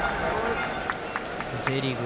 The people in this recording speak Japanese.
Ｊリーグ